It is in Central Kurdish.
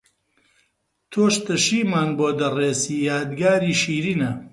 تۆش تەشیمان بۆ دەڕێسی یادگاری شیرنە